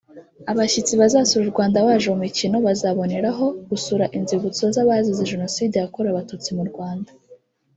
Abashyitsi bazasura u Rwanda baje mu mukino bazanaboneraho gusura inzibutso z’abazize jenoside yakorewe abatutsi mu Rwanda